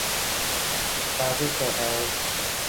বাজে shot, Aaron.